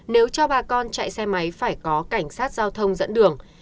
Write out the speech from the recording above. nếu cho bà con chạy xe máy phải có cảnh sát giao thông dẫn đường